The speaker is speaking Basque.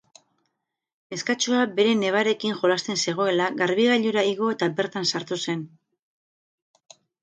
Neskatxoa bere nebarekin jolasten zegoela garbigailura igo eta bertan sartu zen.